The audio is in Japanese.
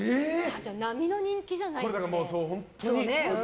並みの人気じゃないですね。